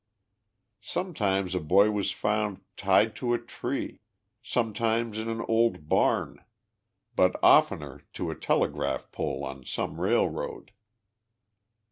Sometimes a boy was found tied to a tree, sometimes in an old barn, but oftener to a telegraph pole on some railroad.